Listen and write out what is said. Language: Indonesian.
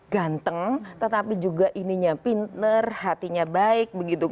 ganteng tetapi juga ini pinter hatinya baik